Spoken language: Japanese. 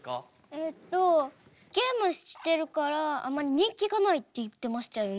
えっとゲームしてるからあまり人気がないって言ってましたよね。